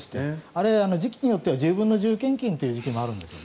あれ、時期によっては１０分の１０献金という時期もあるんです。